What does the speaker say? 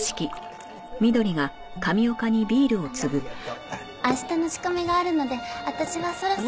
あの明日の仕込みがあるので私はそろそろ。